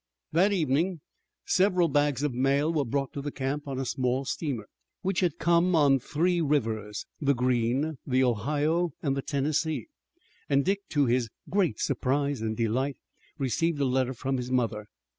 That evening several bags of mail were brought to the camp on a small steamer, which had come on three rivers, the Green, the Ohio, and the Tennessee, and Dick, to his great surprise and delight, received a letter from his mother.